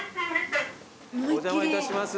お邪魔いたします。